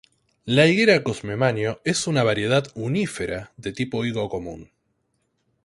La higuera 'Cosme Maño' es una variedad "unífera" de tipo higo común.